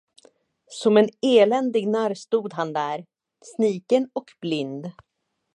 Som en eländig narr stod han här, sniken och blind.